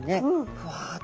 ふわっと。